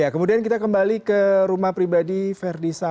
ya kemudian kita kembali ke rumah pribadi verdi samad